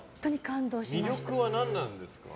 魅力は何なんですか？